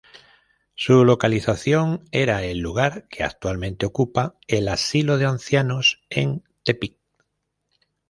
Su localización era el lugar que actualmente ocupa el "Asilo de Ancianos" en Tepic.